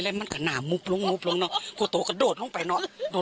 หัวเปลากระนามแล้วบุบตายเดียว